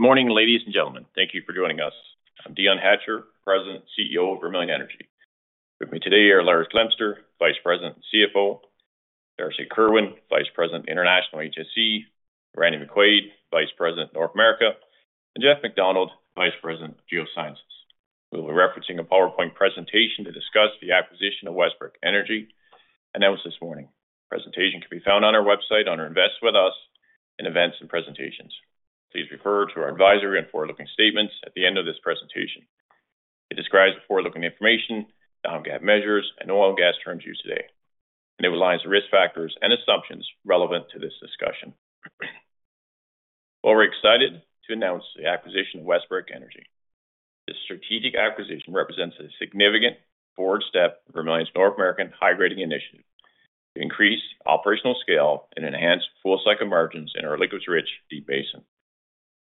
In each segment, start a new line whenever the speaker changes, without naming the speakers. Good morning, ladies and gentlemen. Thank you for joining us. I'm Dion Hatcher, President and CEO of Vermilion Energy. With me today are Lars Glemser, Vice President and CFO; Darcy Kerwin, Vice President, International and HSE; Randy MacQuarrie, Vice President, North America; and Jeff MacDonald, Vice President of Geosciences. We will be referencing a PowerPoint presentation to discuss the acquisition of Westbrick Energy announced this morning. The presentation can be found on our website under "Invest with Us" in Events and Presentations. Please refer to our advisory and forward-looking statements at the end of this presentation. It describes the forward-looking information, the non-GAAP measures, and oil and gas terms used today, and it outlines the risk factors and assumptions relevant to this discussion. We're excited to announce the acquisition of Westbrick Energy. This strategic acquisition represents a significant forward step of Vermilion's North American high-grading initiative to increase operational scale and enhance full-cycle margins in our liquids-rich Deep Basin.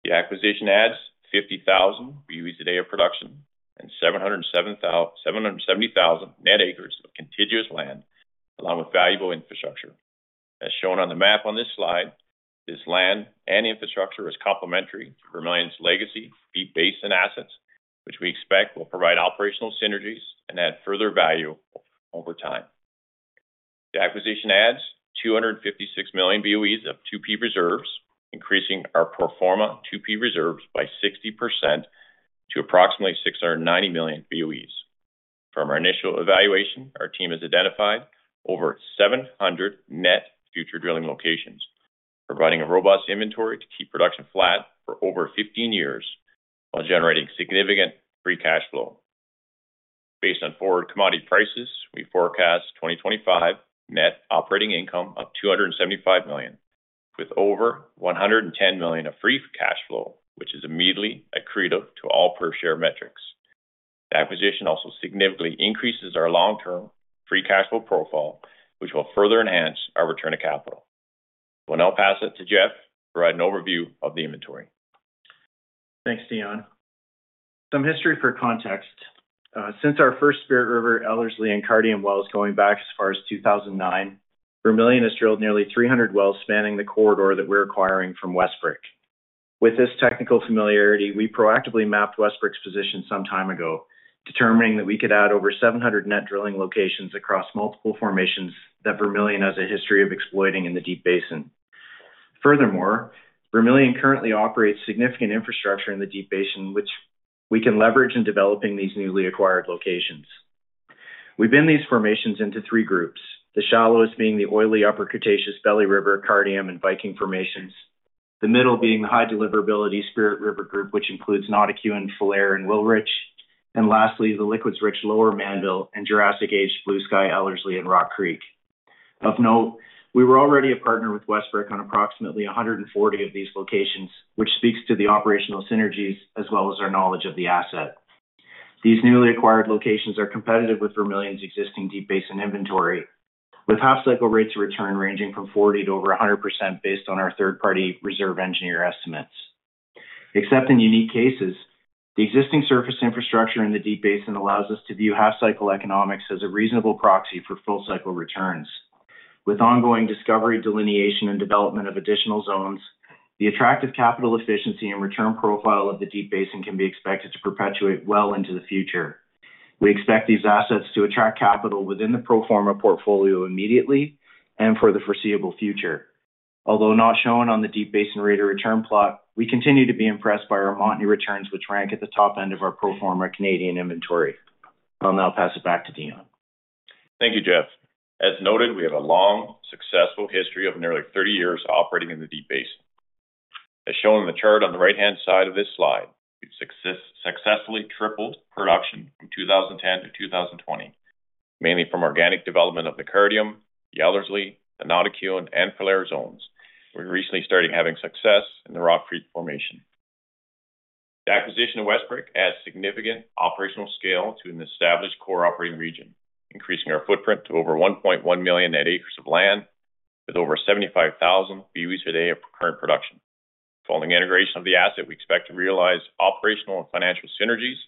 The acquisition adds 50,000 BOE a day of production and 770,000 net acres of contiguous land, along with valuable infrastructure. As shown on the map on this slide, this land and infrastructure is complementary to Vermilion's legacy Deep Basin assets, which we expect will provide operational synergies and add further value over time. The acquisition adds 256 million BOE of 2P reserves, increasing our pro forma 2P reserves by 60% to approximately 690 million BOE. From our initial evaluation, our team has identified over 700 net future drilling locations, providing a robust inventory to keep production flat for over 15 years while generating significant free cash flow. Based on forward commodity prices, we forecast 2025 net operating income of 275 million, with over 110 million of free cash flow, which is immediately accretive to all per-share metrics. The acquisition also significantly increases our long-term free cash flow profile, which will further enhance our return to capital. So now I'll pass it to Jeff to provide an overview of the inventory.
Thanks, Dion. Some history for context. Since our first Spirit River, Ellerslie, and Cardium wells going back as far as 2009, Vermilion has drilled nearly 300 wells spanning the corridor that we're acquiring from Westbrick. With this technical familiarity, we proactively mapped Westbrick's position some time ago, determining that we could add over 700 net drilling locations across multiple formations that Vermilion has a history of exploiting in the Deep Basin. Furthermore, Vermilion currently operates significant infrastructure in the Deep Basin, which we can leverage in developing these newly acquired locations. We've grouped these formations into three groups, the shallowest being the oily Upper Cretaceous Belly River, Cardium, and Viking formations. The middle being the high deliverability Spirit River group, which includes Notikewin, Falher, and Wilrich. And lastly, the liquids-rich Lower Mannville and Jurassic Age Bluesky Ellerslie and Rock Creek. Of note, we were already a partner with Westbrick on approximately 140 of these locations, which speaks to the operational synergies as well as our knowledge of the asset. These newly acquired locations are competitive with Vermilion's existing Deep Basin inventory, with half-cycle rates of return ranging from 40% to over 100% based on our third-party reserve engineer estimates. Except in unique cases, the existing surface infrastructure in the Deep Basin allows us to view half-cycle economics as a reasonable proxy for full-cycle returns. With ongoing discovery, delineation, and development of additional zones, the attractive capital efficiency and return profile of the Deep Basin can be expected to perpetuate well into the future. We expect these assets to attract capital within the pro forma portfolio immediately and for the foreseeable future. Although not shown on the Deep Basin rate of return plot, we continue to be impressed by our Montney returns, which rank at the top end of our pro forma Canadian inventory. I'll now pass it back to Dion.
Thank you, Jeff. As noted, we have a long, successful history of nearly 30 years operating in the Deep Basin. As shown in the chart on the right-hand side of this slide, we've successfully tripled production from 2010 to 2020, mainly from organic development of the Cardium, the Ellerslie, the Notikewin, and Falher zones, where we recently started having success in the Rock Creek formation. The acquisition of Westbrick adds significant operational scale to an established core operating region, increasing our footprint to over 1.1 million net acres of land, with over 75,000 BOEs a day of current production. Following integration of the asset, we expect to realize operational and financial synergies,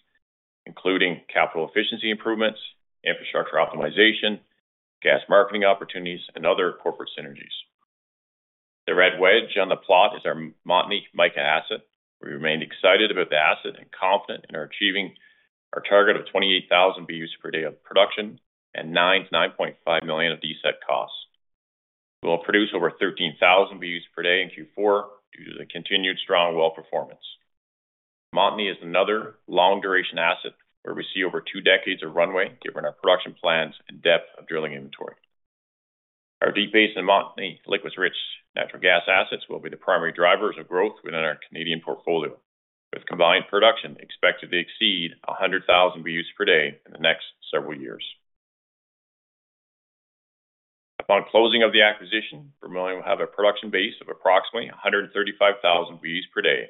including capital efficiency improvements, infrastructure optimization, gas marketing opportunities, and other corporate synergies. The red wedge on the plot is our Montney Mica asset. We remain excited about the asset and confident in achieving our target of 28,000 BOEs per day of production and 9-9.5 million of D&C costs. We'll produce over 13,000 BOEs per day in Q4 due to the continued strong well performance. Montney is another long-duration asset where we see over two decades of runway, given our production plans and depth of drilling inventory. Our Deep Basin Montney liquids-rich natural gas assets will be the primary drivers of growth within our Canadian portfolio, with combined production expected to exceed 100,000 BOEs per day in the next several years. Upon closing of the acquisition, Vermilion will have a production base of approximately 135,000 BOEs per day,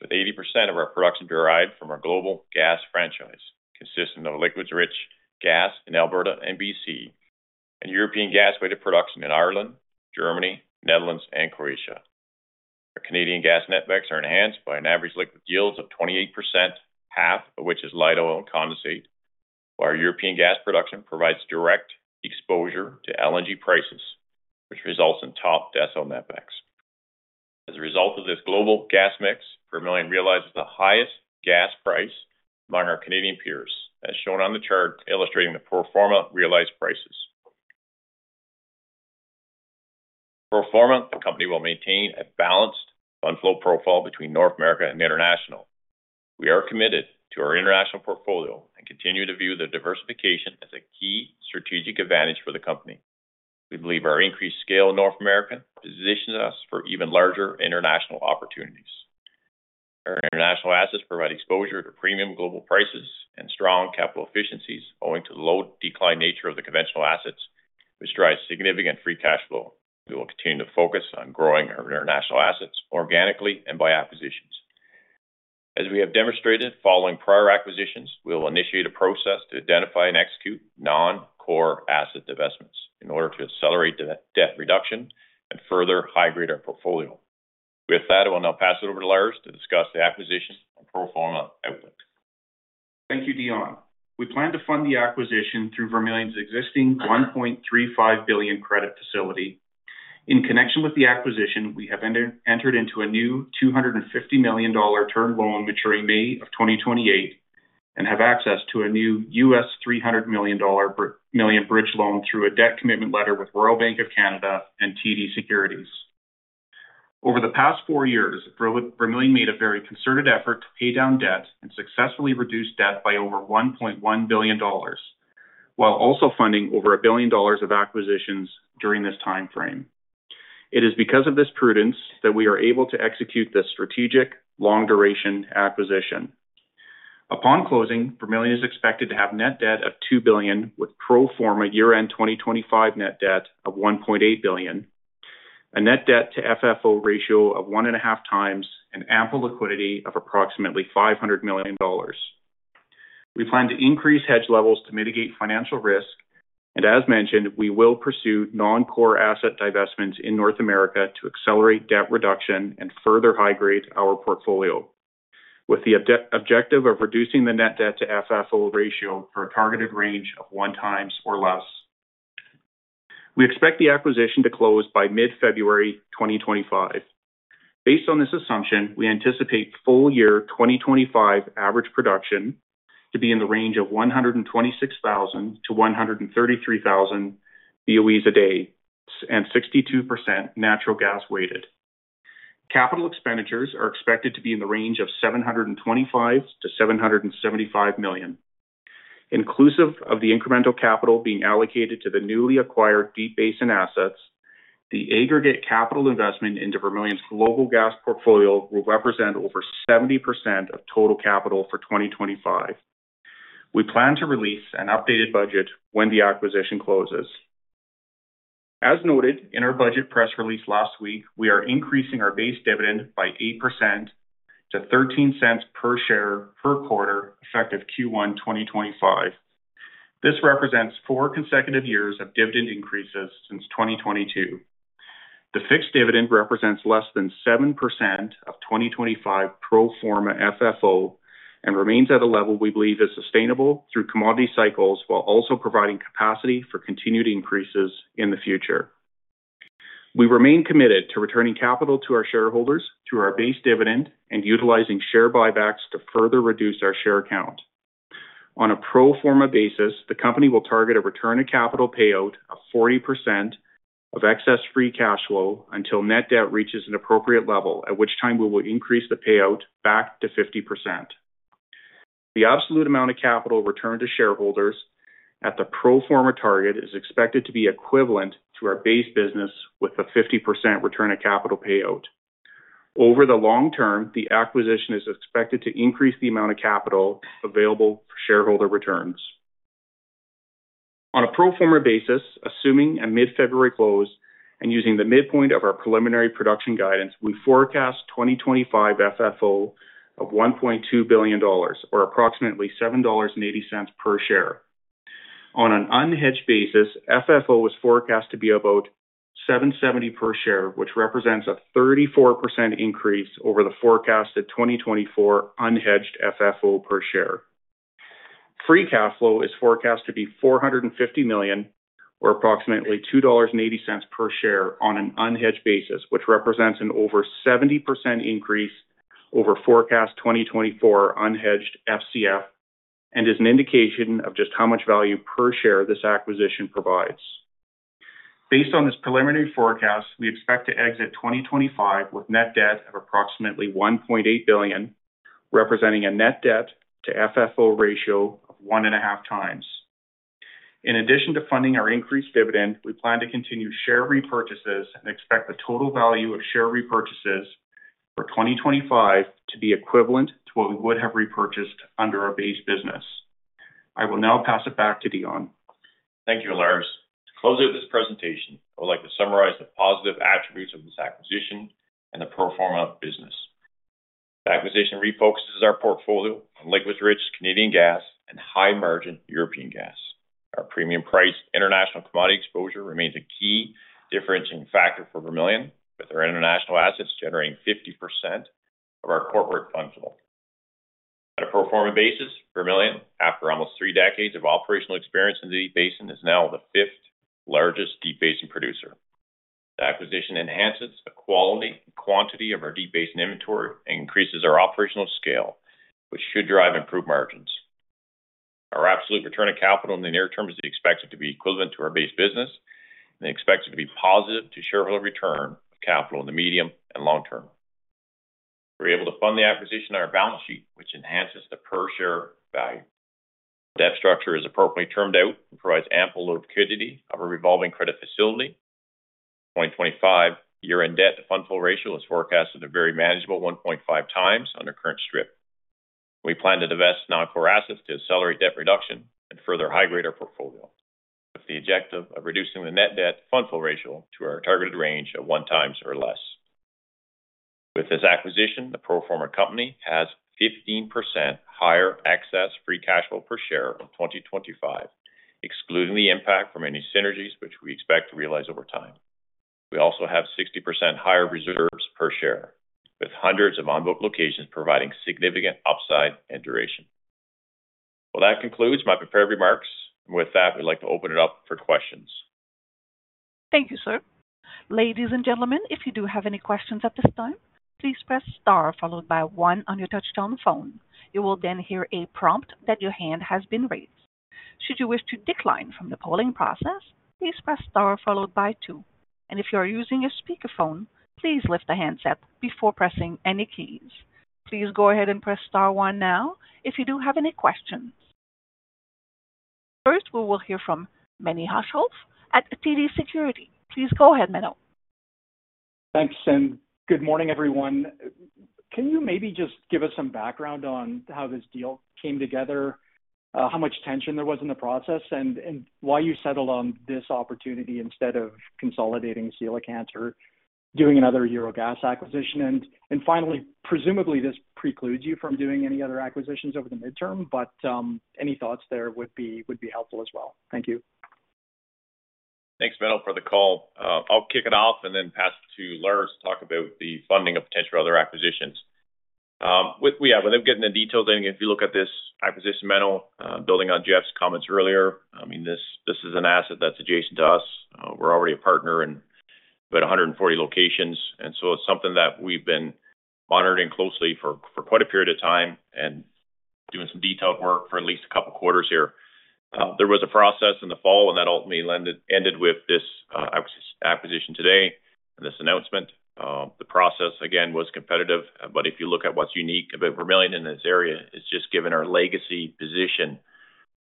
with 80% of our production derived from our global gas franchise consisting of liquids-rich gas in Alberta and BC, and European gas-weighted production in Ireland, Germany, Netherlands, and Croatia. Our Canadian gas netbacks are enhanced by an average liquid yield of 28%, half of which is light oil and condensate, while our European gas production provides direct exposure to LNG prices, which results in top decile netbacks. As a result of this global gas mix, Vermilion realizes the highest gas price among our Canadian peers, as shown on the chart illustrating the pro forma realized prices. Pro forma: the company will maintain a balanced fund flow profile between North America and international. We are committed to our international portfolio and continue to view the diversification as a key strategic advantage for the company. We believe our increased scale in North America positions us for even larger international opportunities. Our international assets provide exposure to premium global prices and strong capital efficiencies, owing to the low decline nature of the conventional assets, which drives significant free cash flow. We will continue to focus on growing our international assets organically and by acquisitions. As we have demonstrated following prior acquisitions, we will initiate a process to identify and execute non-core asset investments in order to accelerate debt reduction and further high-grade our portfolio. With that, I will now pass it over to Lars to discuss the acquisition and pro forma outlook.
Thank you, Dion. We plan to fund the acquisition through Vermilion's existing 1.35 billion credit facility. In connection with the acquisition, we have entered into a new 250 million dollar term loan maturing May of 2028 and have access to a new $300 million bridge loan through a debt commitment letter with Royal Bank of Canada and TD Securities. Over the past four years, Vermilion made a very concerted effort to pay down debt and successfully reduce debt by over 1.1 billion dollars, while also funding over a billion dollars of acquisitions during this timeframe. It is because of this prudence that we are able to execute this strategic, long-duration acquisition. Upon closing, Vermilion is expected to have net debt of 2 billion, with pro forma year-end 2025 net debt of CAD 1.8 billion, a net debt-to-FFO ratio of one and a half times, and ample liquidity of approximately 500 million dollars. We plan to increase hedge levels to mitigate financial risk, and as mentioned, we will pursue non-core asset divestments in North America to accelerate debt reduction and further high-grade our portfolio, with the objective of reducing the net debt-to-FFO ratio for a targeted range of one times or less. We expect the acquisition to close by mid-February 2025. Based on this assumption, we anticipate full year 2025 average production to be in the range of 126,000 to 133,000 BOEs a day and 62% natural gas weighted. Capital expenditures are expected to be in the range of 725 million-775 million. Inclusive of the incremental capital being allocated to the newly acquired Deep Basin assets, the aggregate capital investment into Vermilion's global gas portfolio will represent over 70% of total capital for 2025. We plan to release an updated budget when the acquisition closes. As noted in our budget press release last week, we are increasing our base dividend by 8% to 0.13 per share per quarter effective Q1 2025. This represents four consecutive years of dividend increases since 2022. The fixed dividend represents less than 7% of 2025 pro forma FFO and remains at a level we believe is sustainable through commodity cycles while also providing capacity for continued increases in the future. We remain committed to returning capital to our shareholders through our base dividend and utilizing share buybacks to further reduce our share count. On a pro forma basis, the company will target a return to capital payout of 40% of excess free cash flow until net debt reaches an appropriate level, at which time we will increase the payout back to 50%. The absolute amount of capital returned to shareholders at the pro forma target is expected to be equivalent to our base business with a 50% return of capital payout. Over the long term, the acquisition is expected to increase the amount of capital available for shareholder returns. On a pro forma basis, assuming a mid-February close and using the midpoint of our preliminary production guidance, we forecast 2025 FFO of 1.2 billion dollars, or approximately 7.80 dollars per share. On an unhedged basis, FFO was forecast to be about 7.70 per share, which represents a 34% increase over the forecasted 2024 unhedged FFO per share. Free cash flow is forecast to be 450 million, or approximately 2.80 dollars per share on an unhedged basis, which represents an over 70% increase over forecast 2024 unhedged FCF and is an indication of just how much value per share this acquisition provides. Based on this preliminary forecast, we expect to exit 2025 with net debt of approximately 1.8 billion, representing a net debt-to-FFO ratio of one and a half times. In addition to funding our increased dividend, we plan to continue share repurchases and expect the total value of share repurchases for 2025 to be equivalent to what we would have repurchased under our base business. I will now pass it back to Dion.
Thank you, Lars. To close out this presentation, I would like to summarize the positive attributes of this acquisition and the pro forma business. The acquisition refocuses our portfolio on liquids-rich Canadian gas and high-margin European gas. Our premium priced international commodity exposure remains a key differentiating factor for Vermilion, with our international assets generating 50% of our corporate fund flow. On a pro forma basis, Vermilion, after almost three decades of operational experience in the Deep Basin, is now the fifth largest Deep Basin producer. The acquisition enhances the quality and quantity of our Deep Basin inventory and increases our operational scale, which should drive improved margins. Our absolute return of capital in the near term is expected to be equivalent to our base business and expected to be positive to shareholder return of capital in the medium and long term. We're able to fund the acquisition on our balance sheet, which enhances the per share value. Debt structure is appropriately termed out and provides ample liquidity of our revolving credit facility. 2025 year-end debt-to-fund flow ratio is forecast to be very manageable, 1.5 times under current strip. We plan to divest non-core assets to accelerate debt reduction and further high-grade our portfolio, with the objective of reducing the net debt-to-fund flow ratio to our targeted range of one times or less. With this acquisition, the pro forma company has 15% higher excess free cash flow per share in 2025, excluding the impact from any synergies which we expect to realize over time. We also have 60% higher reserves per share, with hundreds of on-book locations providing significant upside and duration. Well, that concludes my prepared remarks. With that, we'd like to open it up for questions.
Thank you, sir. Ladies and gentlemen, if you do have any questions at this time, please press star followed by one on your touch-tone phone. You will then hear a prompt that your hand has been raised. Should you wish to decline from the polling process, please press star followed by two. And if you're using a speakerphone, please lift the handset before pressing any keys. Please go ahead and press star one now if you do have any questions. First, we will hear from Menno Hulshof at TD Securities. Please go ahead, Menno.
Thanks, and good morning, everyone. Can you maybe just give us some background on how this deal came together, how much tension there was in the process, and why you settled on this opportunity instead of consolidating Coelacanth or doing another Euro gas acquisition? And finally, presumably this precludes you from doing any other acquisitions over the medium term, but any thoughts there would be helpful as well. Thank you.
Thanks, Menno, for the call. I'll kick it off and then pass it to Lars to talk about the funding of potential other acquisitions. Yeah, without getting into details, I think if you look at this acquisition, Menno, building on Jeff's comments earlier, I mean, this is an asset that's adjacent to us. We're already a partner in about 140 locations, and so it's something that we've been monitoring closely for quite a period of time and doing some detailed work for at least a couple of quarters here. There was a process in the fall, and that ultimately ended with this acquisition today and this announcement. The process, again, was competitive, but if you look at what's unique about Vermilion in this area, it's just given our legacy position.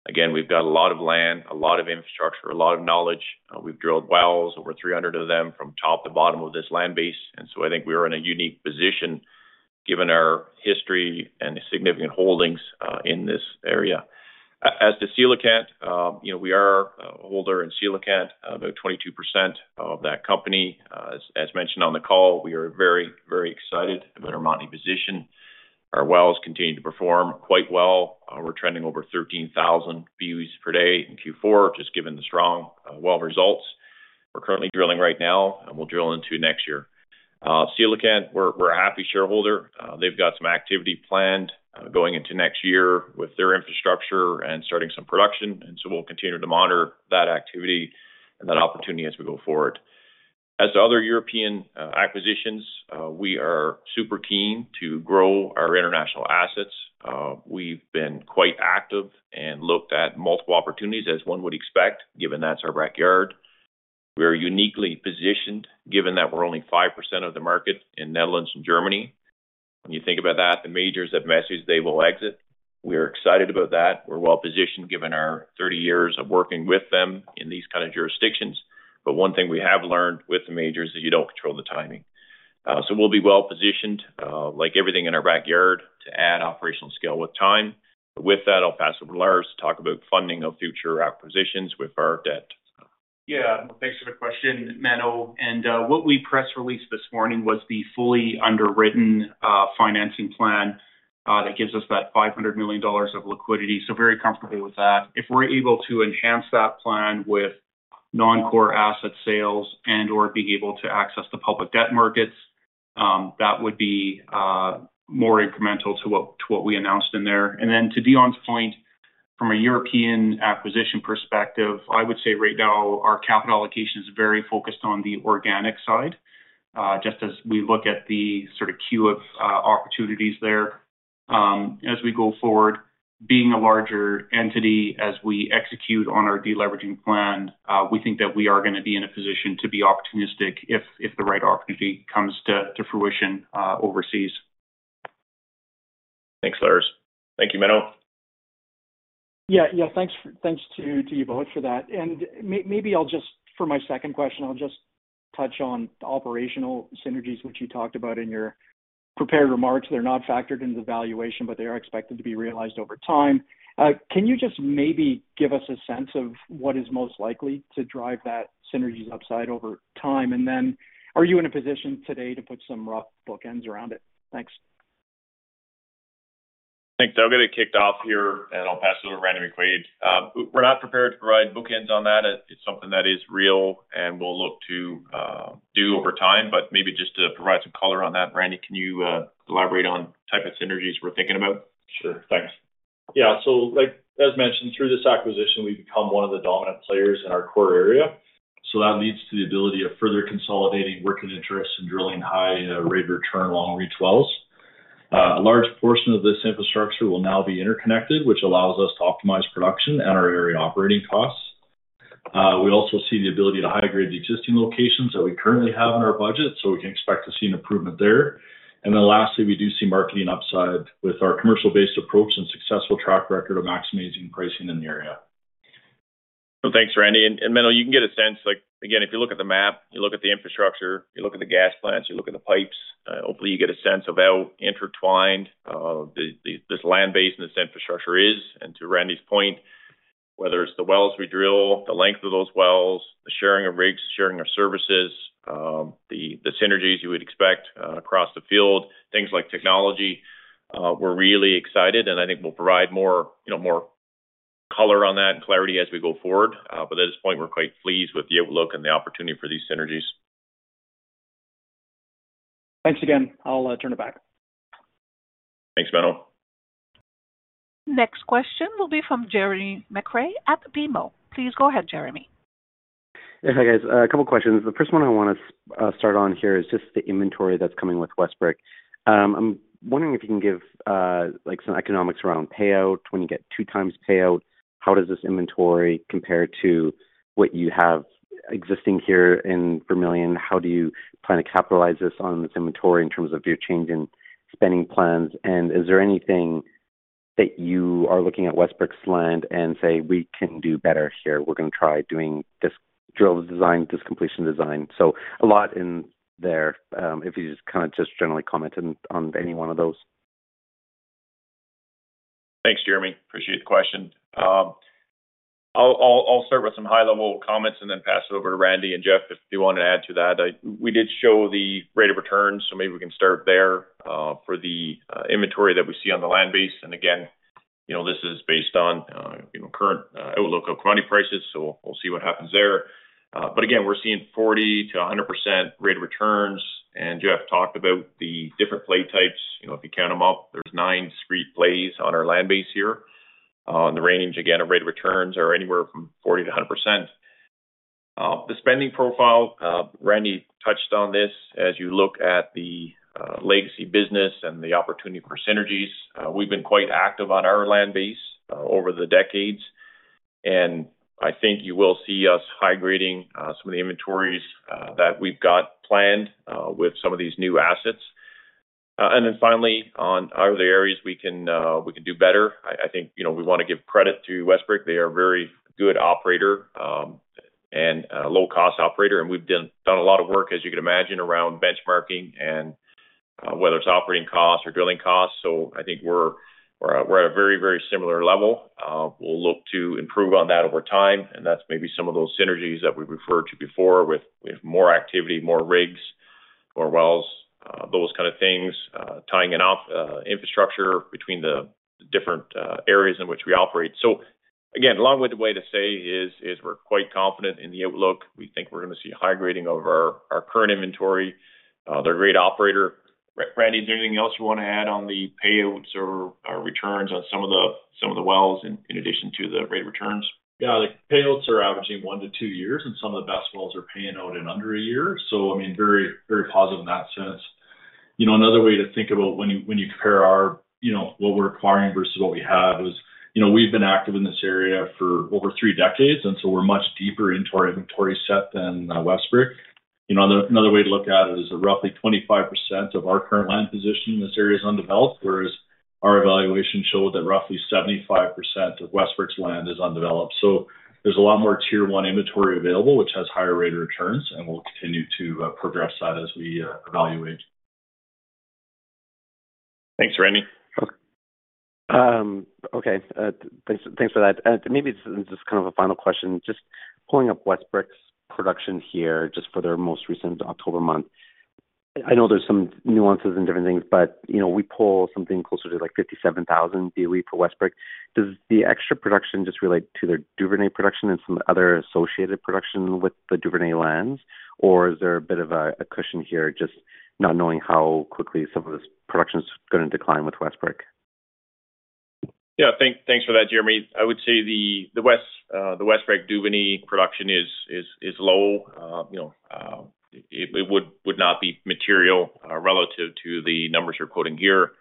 Again, we've got a lot of land, a lot of infrastructure, a lot of knowledge. We've drilled wells, over 300 of them, from top to bottom of this land base. I think we are in a unique position given our history and significant holdings in this area. As to Coelacanth, we are a holder in Coelacanth, about 22% of that company. As mentioned on the call, we are very, very excited about our Montney position. Our wells continue to perform quite well. We're trending over 13,000 BOEs per day in Q4, just given the strong well results. We're currently drilling right now, and we'll drill into next year. Coelacanth, we're a happy shareholder. They've got some activity planned going into next year with their infrastructure and starting some production, and so we'll continue to monitor that activity and that opportunity as we go forward. As to other European acquisitions, we are super keen to grow our international assets. We've been quite active and looked at multiple opportunities, as one would expect, given that's our backyard. We are uniquely positioned, given that we're only 5% of the market in Netherlands and Germany. When you think about that, the majors have messaged they will exit. We are excited about that. We're well positioned, given our 30 years of working with them in these kinds of jurisdictions. But one thing we have learned with the majors is you don't control the timing. So we'll be well positioned, like everything in our backyard, to add operational scale with time. With that, I'll pass it over to Lars to talk about funding of future acquisitions with our debt.
Yeah, thanks for the question, Menno. And what we press released this morning was the fully underwritten financing plan that gives us that 500 million dollars of liquidity. So very comfortable with that. If we're able to enhance that plan with non-core asset sales and/or being able to access the public debt markets, that would be more incremental to what we announced in there. And then to Dion's point, from a European acquisition perspective, I would say right now our capital allocation is very focused on the organic side, just as we look at the sort of queue of opportunities there. As we go forward, being a larger entity, as we execute on our deleveraging plan, we think that we are going to be in a position to be opportunistic if the right opportunity comes to fruition overseas.
Thanks, Lars. Thank you, Menno.
Yeah, yeah, thanks to you both for that. And maybe I'll just, for my second question, I'll just touch on operational synergies, which you talked about in your prepared remarks. They're not factored into the valuation, but they are expected to be realized over time. Can you just maybe give us a sense of what is most likely to drive that synergies upside over time? And then are you in a position today to put some rough bookends around it? Thanks.
Thanks. I'll get it kicked off here, and I'll pass it over to Randy MacQuarrie. We're not prepared to provide bookends on that. It's something that is real and we'll look to do over time, but maybe just to provide some color on that, Randy, can you elaborate on the type of synergies we're thinking about?
Sure, thanks. Yeah, so as mentioned, through this acquisition, we've become one of the dominant players in our core area. So that leads to the ability of further consolidating working interests and drilling high rate return, long reach wells. A large portion of this infrastructure will now be interconnected, which allows us to optimize production and our area operating costs. We also see the ability to high grade the existing locations that we currently have in our budget, so we can expect to see an improvement there. And then lastly, we do see marketing upside with our commercial-based approach and successful track record of maximizing pricing in the area.
So thanks, Randy. And Menno, you can get a sense, again, if you look at the map, you look at the infrastructure, you look at the gas plants, you look at the pipes, hopefully you get a sense of how intertwined this land base and this infrastructure is. And to Randy's point, whether it's the wells we drill, the length of those wells, the sharing of rigs, sharing of services, the synergies you would expect across the field, things like technology, we're really excited, and I think we'll provide more color on that and clarity as we go forward. But at this point, we're quite pleased with the outlook and the opportunity for these synergies.
Thanks again. I'll turn it back.
Thanks, Menno.
Next question will be from Jeremy McCrea at BMO. Please go ahead, Jeremy.
Yeah, hi guys. A couple of questions. The first one I want to start on here is just the inventory that's coming with Westbrick. I'm wondering if you can give some economics around payout. When you get two times payout, how does this inventory compare to what you have existing here in Vermilion? How do you plan to capitalize this on this inventory in terms of your change in spending plans? And is there anything that you are looking at Westbrick's land and say, "We can do better here. We're going to try doing this drill design, this completion design"? So a lot in there, if you just kind of just generally commented on any one of those.
Thanks, Jeremy. Appreciate the question. I'll start with some high-level comments and then pass it over to Randy and Jeff if they want to add to that. We did show the rate of return, so maybe we can start there for the inventory that we see on the land base, and again, this is based on current outlook of commodity prices, so we'll see what happens there. But again, we're seeing 40%-100% rate of returns. And Jeff talked about the different play types. If you count them up, there's nine discrete plays on our land base here. The range, again, of rate of returns are anywhere from 40%-100%. The spending profile, Randy touched on this, as you look at the legacy business and the opportunity for synergies. We've been quite active on our land base over the decades, and I think you will see us high grading some of the inventories that we've got planned with some of these new assets, and then finally, on other areas we can do better. I think we want to give credit to Westbrick. They are a very good operator and low-cost operator, and we've done a lot of work, as you can imagine, around benchmarking and whether it's operating costs or drilling costs, so I think we're at a very, very similar level. We'll look to improve on that over time, and that's maybe some of those synergies that we referred to before with more activity, more rigs, more wells, those kind of things, tying it up, infrastructure between the different areas in which we operate, so again, the long-winded way to say is we're quite confident in the outlook. We think we're going to see a high grading of our current inventory. They're a great operator. Randy, is there anything else you want to add on the payouts or returns on some of the wells in addition to the rate of returns?
Yeah, the payouts are averaging one to two years, and some of the best wells are paying out in under a year. So I mean, very positive in that sense. Another way to think about when you compare what we're acquiring versus what we have is we've been active in this area for over three decades, and so we're much deeper into our inventory set than Westbrick. Another way to look at it is roughly 25% of our current land position in this area is undeveloped, whereas our evaluation showed that roughly 75% of Westbrick's land is undeveloped. So there's a lot more tier one inventory available, which has higher rate of returns, and we'll continue to progress that as we evaluate.
Thanks, Randy.
Okay, thanks for that. Maybe this is kind of a final question. Just pulling up Westbrick's production here just for their most recent October month. I know there's some nuances and different things, but we pull something closer to like 57,000 BOE for Westbrick. Does the extra production just relate to their Duvernay production and some other associated production with the Duvernay lands, or is there a bit of a cushion here, just not knowing how quickly some of this production is going to decline with Westbrick?
Yeah, thanks for that, Jeremy. I would say the Westbrick Duvernay production is low. It would not be material relative to the numbers you're quoting here.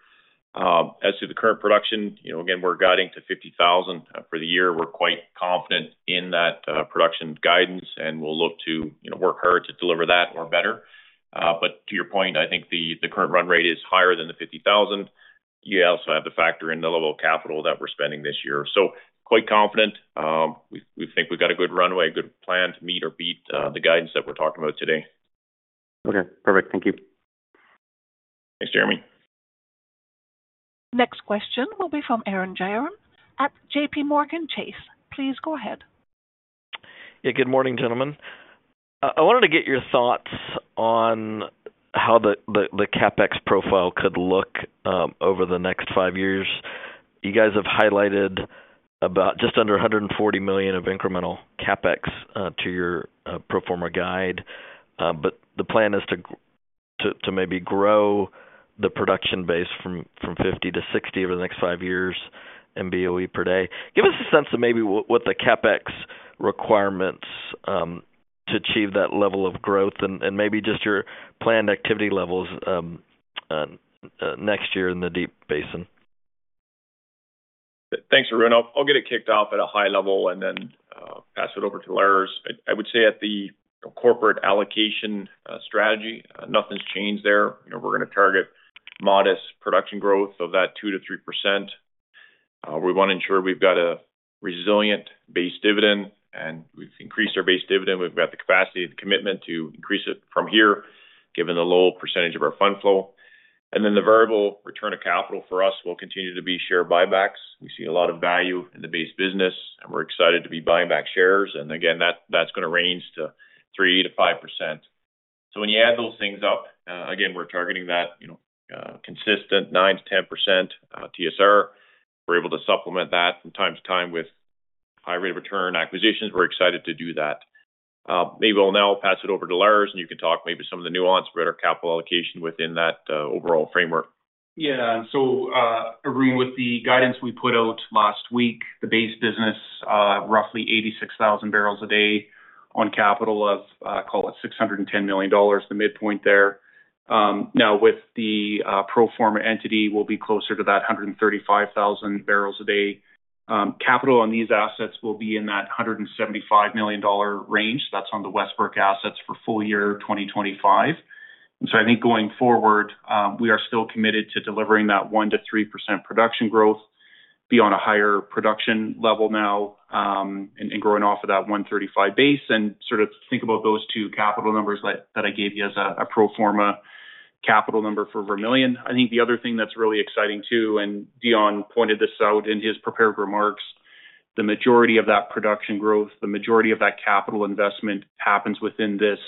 As to the current production, again, we're guiding to 50,000 for the year. We're quite confident in that production guidance, and we'll look to work hard to deliver that or better. But to your point, I think the current run rate is higher than the 50,000. You also have to factor in the level of capital that we're spending this year. So quite confident. We think we've got a good runway, a good plan to meet or beat the guidance that we're talking about today.
Okay, perfect. Thank you.
Thanks, Jeremy.
Next question will be from Arun Jayaram at J.P. Morgan. Please go ahead.
Yeah, good morning, gentlemen. I wanted to get your thoughts on how the CapEx profile could look over the next five years. You guys have highlighted about just under 140 million of incremental CapEx to your pro forma guide, but the plan is to maybe grow the production base from 50 to 60 over the next five years in BOE per day. Give us a sense of maybe what the CapEx requirements to achieve that level of growth and maybe just your planned activity levels next year in the Deep Basin.
Thanks, Arun. I'll get it kicked off at a high level and then pass it over to Lars. I would say at the corporate allocation strategy, nothing's changed there. We're going to target modest production growth of that 2-3%. We want to ensure we've got a resilient base dividend, and we've increased our base dividend. We've got the capacity and commitment to increase it from here, given the low percentage of our fund flow. And then the variable return of capital for us will continue to be share buybacks. We see a lot of value in the base business, and we're excited to be buying back shares. And again, that's going to range to 3-5%. So when you add those things up, again, we're targeting that consistent 9-10% TSR. If we're able to supplement that from time to time with high rate of return acquisitions, we're excited to do that. Maybe I'll now pass it over to Lars, and you can talk maybe some of the nuance about our capital allocation within that overall framework.
Yeah, and so Arun, with the guidance we put out last week, the base business, roughly 86,000 barrels a day on capital of, call it 610 million dollars, the midpoint there. Now, with the pro forma entity, we'll be closer to that 135,000 barrels a day. Capital on these assets will be in that 175 million dollar range. That's on the Westbrick assets for full year 2025. So I think going forward, we are still committed to delivering that 1% to 3% production growth, beyond a higher production level now, and growing off of that 135 base. And sort of think about those two capital numbers that I gave you as a pro forma capital number for Vermilion. I think the other thing that's really exciting too, and Dion pointed this out in his prepared remarks. The majority of that production growth, the majority of that capital investment happens within this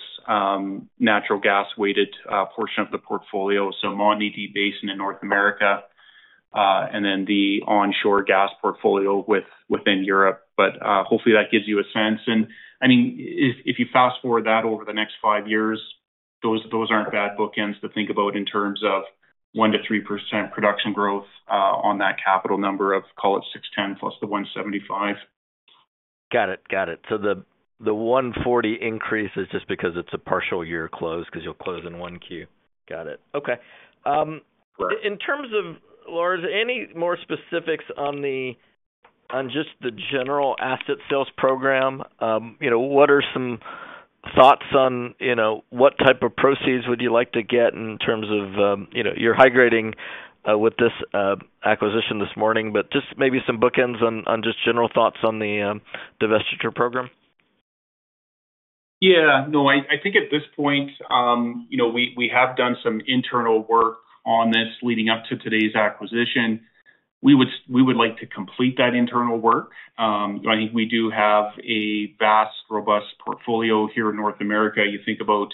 natural gas-weighted portion of the portfolio, so Montney, Deep Basin in North America, and then the onshore gas portfolio within Europe, but hopefully that gives you a sense, and I mean, if you fast forward that over the next five years, those aren't bad bookends to think about in terms of 1%-3% production growth on that capital number of, call it 610 plus the 175.
Got it, got it. So the 140 increase is just because it's a partial year close because you'll close in Q1. Got it. Okay. In terms of Lars, any more specifics on just the general asset sales program? What are some thoughts on what type of proceeds would you like to get in terms of your high grading with this acquisition this morning? But just maybe some bookends on just general thoughts on the divestiture program.
Yeah, no, I think at this point we have done some internal work on this leading up to today's acquisition. We would like to complete that internal work. I think we do have a vast, robust portfolio here in North America. You think about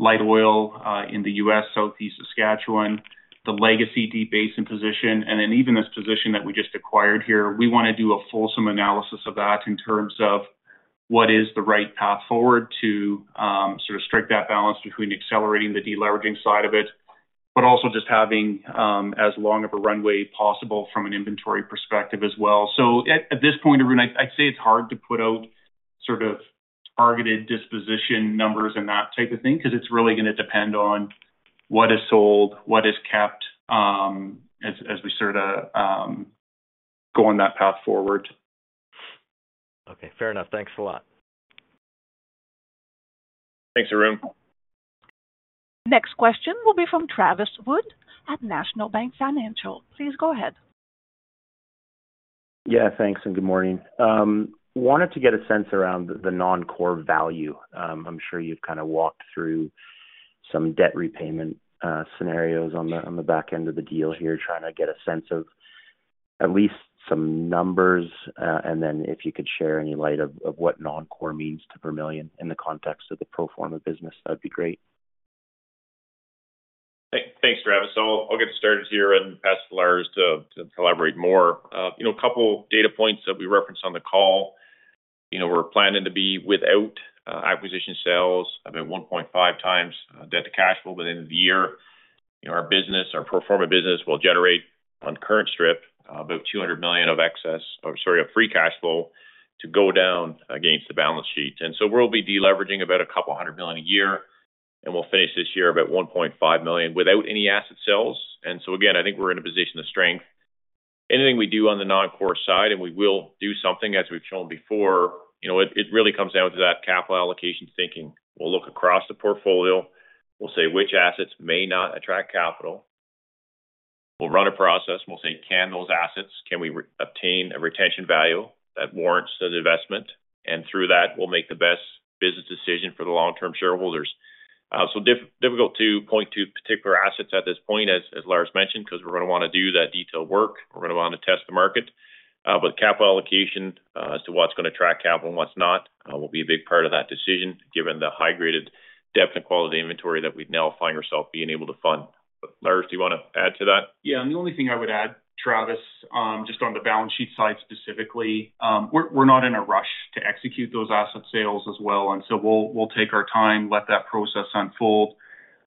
light oil in the U.S., Southeast Saskatchewan, the legacy Deep Basin position, and then even this position that we just acquired here. We want to do a fulsome analysis of that in terms of what is the right path forward to sort of strike that balance between accelerating the deleveraging side of it, but also just having as long of a runway possible from an inventory perspective as well. So at this point, Arun, I'd say it's hard to put out sort of targeted disposition numbers and that type of thing because it's really going to depend on what is sold, what is kept as we sort of go on that path forward.
Okay, fair enough. Thanks a lot.
Thanks, Arun.
Next question will be from Travis Wood at National Bank Financial. Please go ahead.
Yeah, thanks, and good morning. Wanted to get a sense around the non-core value. I'm sure you've kind of walked through some debt repayment scenarios on the back end of the deal here, trying to get a sense of at least some numbers. And then if you could shed any light on what non-core means to Vermilion in the context of the pro forma business, that would be great.
Thanks, Travis. So I'll get started here and pass it to Lars to elaborate more. A couple of data points that we referenced on the call. We're planning to be without acquisition sales, about 1.5 times debt to cash flow by the end of the year. Our pro forma business will generate on current strip about 200 million of free cash flow to go down against the balance sheet. And so we'll be deleveraging about a couple hundred million a year, and we'll finish this year about 1.5 million without any asset sales. And so again, I think we're in a position to strengthen anything we do on the non-core side, and we will do something as we've shown before. It really comes down to that capital allocation thinking. We'll look across the portfolio. We'll say which assets may not attract capital. We'll run a process. We'll say, "Can those assets, can we obtain a retention value that warrants the investment?" And through that, we'll make the best business decision for the long-term shareholders. So difficult to point to particular assets at this point, as Lars mentioned, because we're going to want to do that detailed work. We're going to want to test the market. But capital allocation as to what's going to attract capital and what's not will be a big part of that decision, given the high-graded depth and quality inventory that we now find ourselves being able to fund. Lars, do you want to add to that?
Yeah, and the only thing I would add, Travis, just on the balance sheet side specifically, we're not in a rush to execute those asset sales as well. And so we'll take our time, let that process unfold.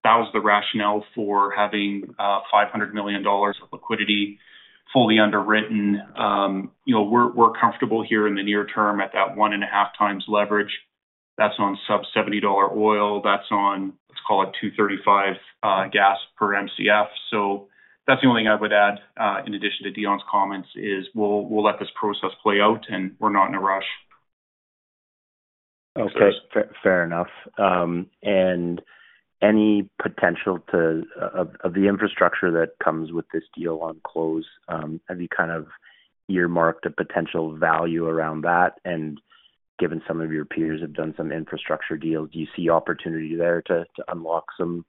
That was the rationale for having 500 million dollars of liquidity fully underwritten. We're comfortable here in the near term at that one and a half times leverage. That's on sub-$70 oil. That's on, let's call it 2.35 gas per MCF. So that's the only thing I would add in addition to Dion's comments is we'll let this process play out, and we're not in a rush.
Okay, fair enough. And any potential of the infrastructure that comes with this deal on close, have you kind of earmarked a potential value around that? And given some of your peers have done some infrastructure deals, do you see opportunity there to unlock some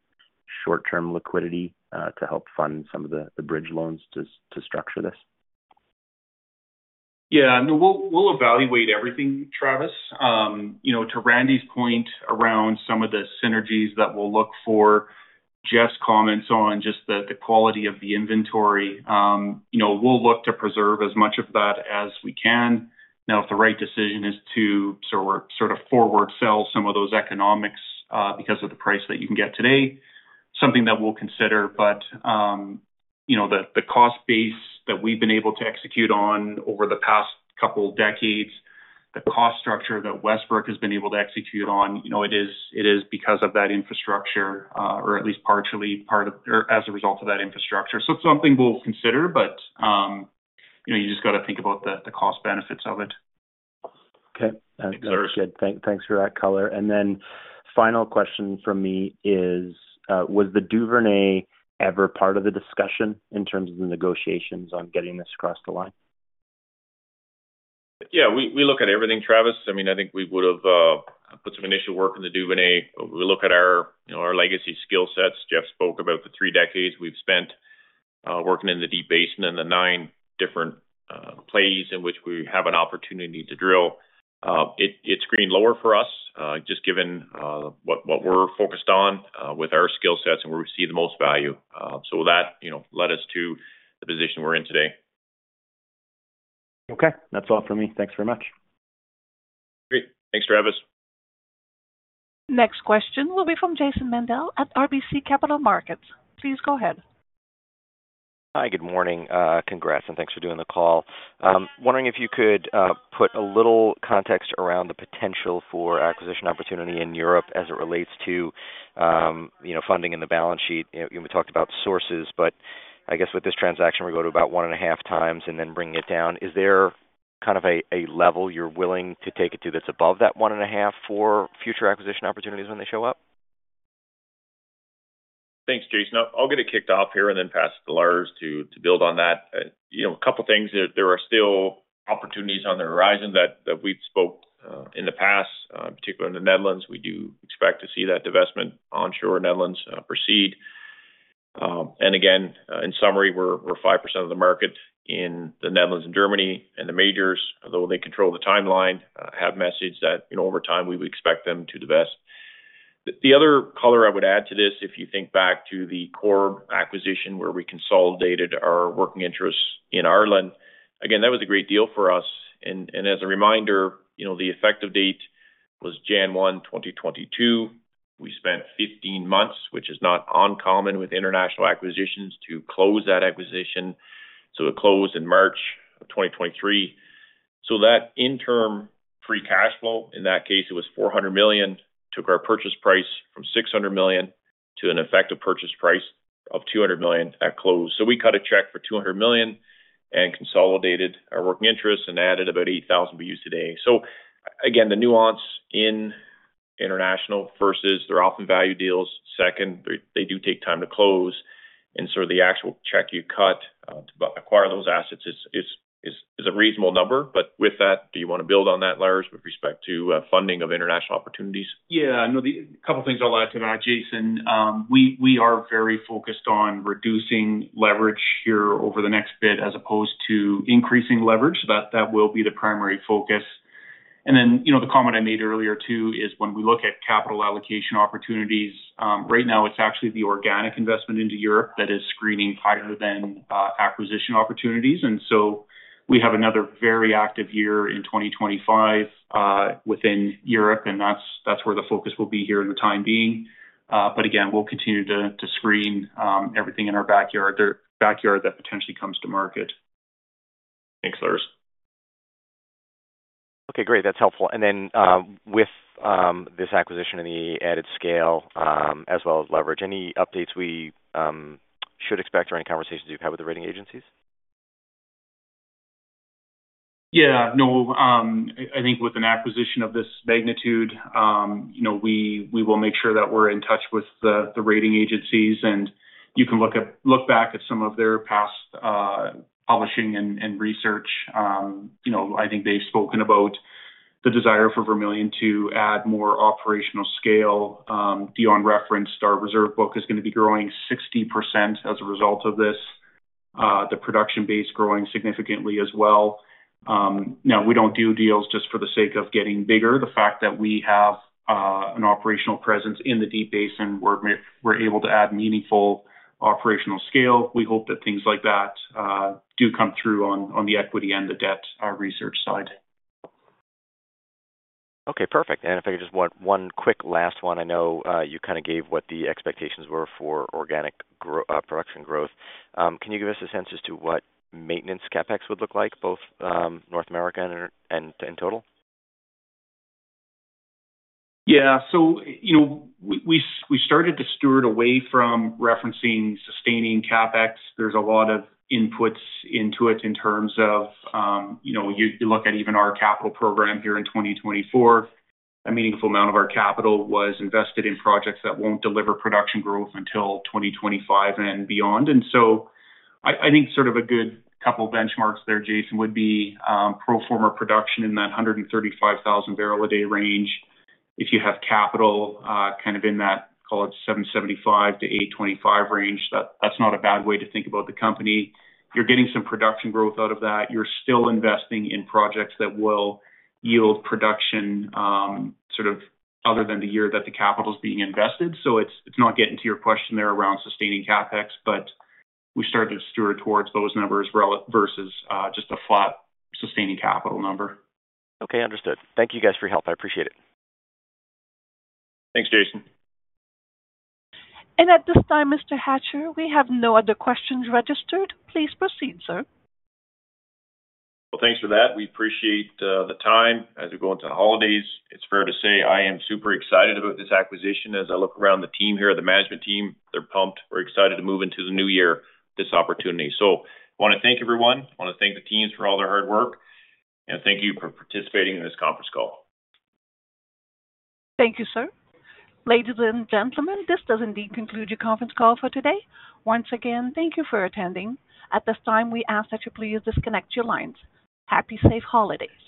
short-term liquidity to help fund some of the bridge loans to structure this?
Yeah, we'll evaluate everything, Travis. To Randy's point around some of the synergies that we'll look for, Jeff's comments on just the quality of the inventory, we'll look to preserve as much of that as we can. Now, if the right decision is to sort of forward sell some of those economics because of the price that you can get today, something that we'll consider, but the cost base that we've been able to execute on over the past couple of decades, the cost structure that Westbrick has been able to execute on, it is because of that infrastructure, or at least partially as a result of that infrastructure, so it's something we'll consider, but you just got to think about the cost benefits of it.
Okay, that's good. Thanks for that color. And then final question from me is, was the Duvernay ever part of the discussion in terms of the negotiations on getting this across the line?
Yeah, we look at everything, Travis. I mean, I think we would have put some initial work in the Duvernay. We look at our legacy skill sets. Jeff spoke about the three decades we've spent working in the Deep Basin and the nine different plays in which we have an opportunity to drill. It's green lower for us, just given what we're focused on with our skill sets and where we see the most value. So that led us to the position we're in today.
Okay, that's all from me. Thanks very much.
Great. Thanks, Travis.
Next question will be from Greg Pardy at RBC Capital Markets. Please go ahead.
Hi, good morning. Congrats and thanks for doing the call. Wondering if you could put a little context around the potential for acquisition opportunity in Europe as it relates to funding in the balance sheet. We talked about sources, but I guess with this transaction, we go to about one and a half times and then bring it down. Is there kind of a level you're willing to take it to that's above that one and a half for future acquisition opportunities when they show up?
Thanks, Greg. I'll get it kicked off here and then pass it to Lars to build on that. A couple of things. There are still opportunities on the horizon that we've spoke in the past, particularly in the Netherlands. We do expect to see that divestment onshore in the Netherlands proceed, and again, in summary, we're 5% of the market in the Netherlands and Germany, and the majors, although they control the timeline, have messaged that over time we would expect them to divest. The other color I would add to this, if you think back to the core acquisition where we consolidated our working interests in Ireland, again, that was a great deal for us, and as a reminder, the effective date was January 1, 2022. We spent 15 months, which is not uncommon with international acquisitions, to close that acquisition. So it closed in March 2023. That interim free cash flow, in that case, it was 400 million [that] took our purchase price from 600 million to an effective purchase price of 200 million at close. We cut a check for 200 million and consolidated our working interests and added about 8,000 BOEs today. Again, the nuance in international versus their often valued deals. Second, they do take time to close. The actual check you cut to acquire those assets is a reasonable number. With that, do you want to build on that, Lars, with respect to funding of international opportunities?
Yeah, a couple of things I'll add to that, Greg. We are very focused on reducing leverage here over the next bit as opposed to increasing leverage. That will be the primary focus. And then the comment I made earlier too is when we look at capital allocation opportunities, right now it's actually the organic investment into Europe that is screening higher than acquisition opportunities. And so we have another very active year in 2025 within Europe, and that's where the focus will be here in the time being. But again, we'll continue to screen everything in our backyard that potentially comes to market.
Thanks, Lars.
Okay, great. That's helpful. And then with this acquisition and the added scale as well as leverage, any updates we should expect or any conversations you've had with the rating agencies?
Yeah, no. I think with an acquisition of this magnitude, we will make sure that we're in touch with the rating agencies, and you can look back at some of their past publishing and research. I think they've spoken about the desire for Vermilion to add more operational scale. Dion referenced our reserve book is going to be growing 60% as a result of this. The production base growing significantly as well. Now, we don't do deals just for the sake of getting bigger. The fact that we have an operational presence in the Deep Basin where we're able to add meaningful operational scale, we hope that things like that do come through on the equity and the debt research side.
Okay, perfect. And if I could just one quick last one, I know you kind of gave what the expectations were for organic production growth. Can you give us a sense as to what maintenance CapEx would look like, both North America and total?
Yeah, so we started to steer away from referencing sustaining CapEx. There's a lot of inputs into it in terms of you look at even our capital program here in 2024. A meaningful amount of our capital was invested in projects that won't deliver production growth until 2025 and beyond. And so I think sort of a good couple of benchmarks there, Greg, would be pro forma production in that 135,000 barrel a day range. If you have capital kind of in that, call it 775 million-825 million range, that's not a bad way to think about the company. You're getting some production growth out of that. You're still investing in projects that will yield production sort of other than the year that the capital is being invested. So it's not getting to your question there around sustaining CapEx, but we started to steward towards those numbers versus just a flat sustaining capital number.
Okay, understood. Thank you guys for your help. I appreciate it.
Thanks, Jason.
At this time, Mr. Hatcher, we have no other questions registered. Please proceed, sir.
Thanks for that. We appreciate the time. As we go into the holidays, it's fair to say I am super excited about this acquisition. As I look around the team here, the management team, they're pumped. We're excited to move into the new year, this opportunity. I want to thank everyone. I want to thank the teams for all their hard work. Thank you for participating in this conference call.
Thank you, sir. Ladies and gentlemen, this does indeed conclude your conference call for today. Once again, thank you for attending. At this time, we ask that you please disconnect your lines. Happy safe holidays.